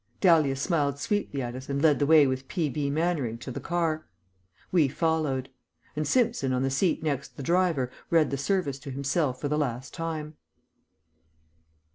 Dahlia smiled sweetly at us and led the way with P. B. Mannering to the car. We followed ... and Simpson on the seat next the driver read the service to himself for the last time.